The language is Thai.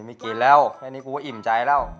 ไม่กินแล้วแค่นี้กูก็อิ่มใจแล้ว